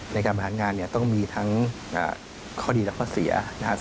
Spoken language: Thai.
ในการบริหารงานต้องมีทั้งข้อดีและข้อเสีย